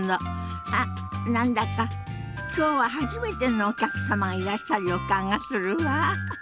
あっ何だか今日は初めてのお客様がいらっしゃる予感がするわ。